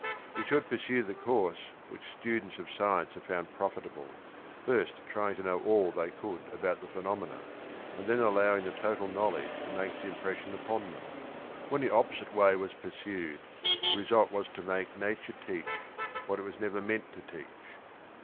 He should pursue the course which students of science have found profitable, first trying to know all they could about the phenom ena and then allowing the total knowledge to make its impression upon them. When the op posite way was pursued the result was to make nature teach what it was never meant to teach.